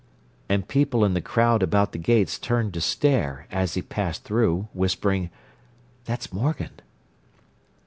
And people in the crowd about the gates turned to stare, as he passed through, whispering, "That's Morgan."